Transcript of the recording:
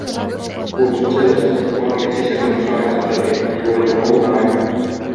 Kuuldused sellest, et valge sisekujunduse aeg saab läbi, liiguvad juba mõnda aega.